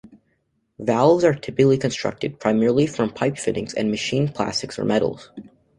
Valves are typically constructed primarily from pipe fittings and machined plastics or metals.